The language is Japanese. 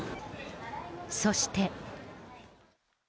そして。